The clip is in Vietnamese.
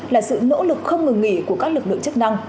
là sự nỗ lực không ngừng nghỉ của các lực lượng chức năng